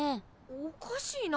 おかしいな。